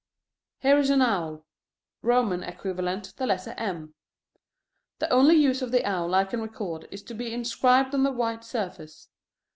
Here is an owl: Roman equivalent, the letter M. The only use of the owl I can record is to be inscribed on the white surface.